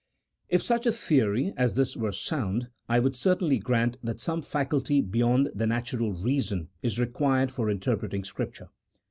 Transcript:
If such a theory as this were sound, I would certainly grant that some faculty beyond the natural reason is re quired for interpreting Scripture.